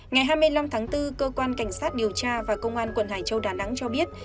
ngày hai mươi năm tháng bốn cơ quan cảnh sát điều tra và công an quận hải châu đà nẵng cho biết